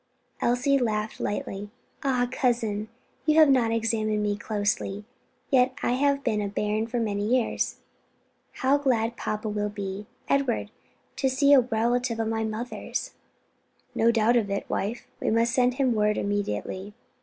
Elsie laughed lightly. "Ah, cousin, you have not examined me closely yet I have not been a bairn for many years. How glad papa will be, Edward, to see a relative of my mother's!" "No doubt of it, wife, and we must send him word immediately."